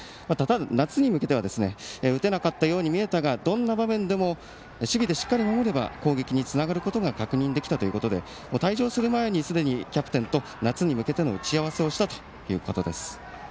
夏に向けては打てなかったように見えたがどんな場面でも守備でしっかり守れば攻撃につながることが確認できたということで退場する前にすでにキャプテンと夏に向けての打ち合わせをしたということです。